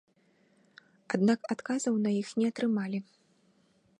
Аднак адказаў на іх не атрымалі.